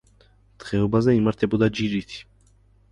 დღეობაზე იმართებოდა ჯირითი.